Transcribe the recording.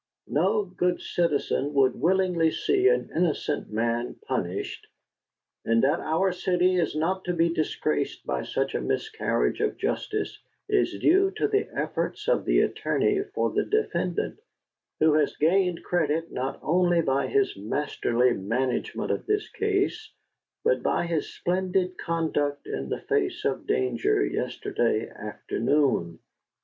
No good citizen would willingly see an innocent man punished, and that our city is not to be disgraced by such a miscarriage of justice is due to the efforts of the attorney for the defendant, who has gained credit not only by his masterly management of this case, but by his splendid conduct in the face of danger yesterday afternoon.